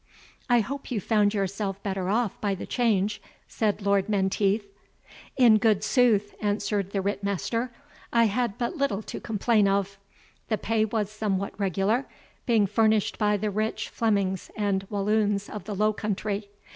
"I hope you found yourself better off by the change?" said Lord Menteith. "In good sooth," answered the Ritt master, "I had but little to complain of. The pay was somewhat regular, being furnished by the rich Flemings and Waloons of the Low Country.